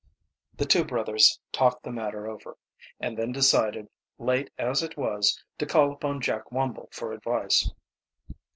The two brothers talked the matter ever, and then decided, late as it was, to call upon Jack Wumble for advice.